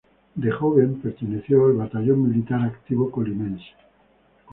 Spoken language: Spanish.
Joven perteneció al Batallón militar Activo Colimense.